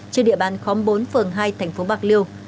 trên địa bàn khóm bốn phường hai thành phố bạc liêu